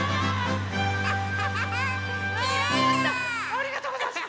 ありがとうございます！